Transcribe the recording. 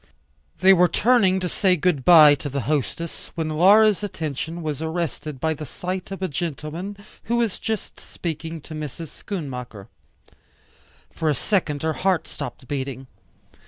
They were turning to say good by to the hostess, when Laura's attention was arrested by the sight of a gentleman who was just speaking to Mrs. Schoonmaker. For a second her heart stopped beating.